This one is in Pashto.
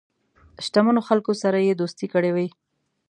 شته منو خلکو سره یې دوستی کړې وي.